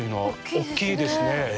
大きいですね。